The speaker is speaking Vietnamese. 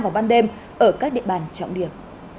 và ban đêm ở các địa bàn trọng điểm